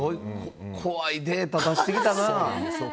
怖いデータ出してきたな。